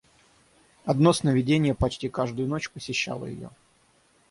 Одно сновиденье почти каждую ночь посещало ее.